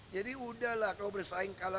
jadi udahlah kalau bersaing kalangan